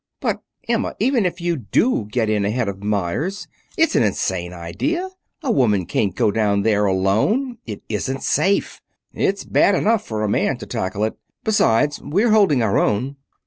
"But, Emma, even if you do get in ahead of Meyers, it's an insane idea. A woman can't go down there alone. It isn't safe. It's bad enough for a man to tackle it. Besides, we're holding our own."